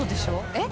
えっ？